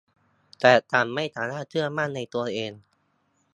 แต่ฉันไม่สามารถเชื่อมั่นในตัวเอง